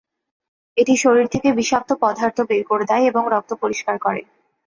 এটি শরীর থেকে বিষাক্ত পদার্থ বের করে দেয় এবং রক্ত পরিষ্কার করে।